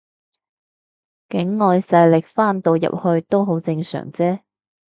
境外勢力翻到入去都好正常啫